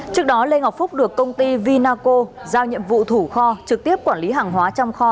trước đó lê ngọc phúc được công ty vinaco giao nhiệm vụ thủ kho trực tiếp quản lý hàng hóa trong kho